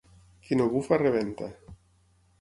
Qui no bufa rebenta.